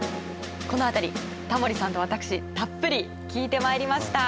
この辺りタモリさんと私たっぷり聞いてまいりました。